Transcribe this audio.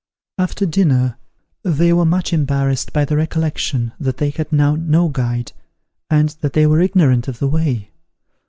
After dinner they were much embarrassed by the recollection that they had now no guide, and that they were ignorant of the way.